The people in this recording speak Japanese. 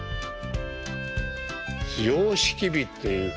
様式美というか。